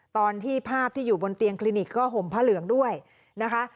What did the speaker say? ตอนที่ภาพที่อยู่บนเตียงคลินิกก็ห่มผ้าเหลืองด้วยนะคะ